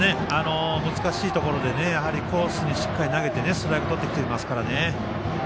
難しいところでコースにしっかり投げてストライクをとってきていますからね。